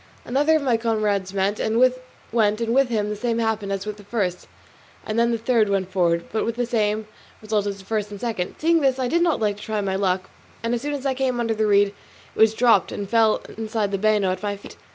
Another of my comrades went, and with him the same happened as with the first, and then the third went forward, but with the same result as the first and second. Seeing this I did not like not to try my luck, and as soon as I came under the reed it was dropped and fell inside the bano at my feet.